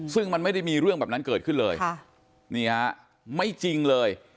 ซึ่งมันไม่ได้มีเรื่องแบบนั้นเกิดขึ้นเลยนี่ฮะไม่จริงเลย